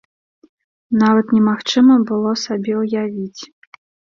Нават немагчыма было сабе ўявіць!